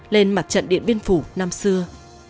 lên mặt trận địa biên phủ năm xưa